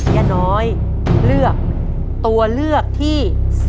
ย่าน้อยเลือกตัวเลือกที่๔